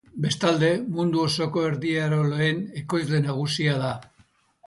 Bestalde, mundu osoko erdieroaleen ekoizle nagusia da.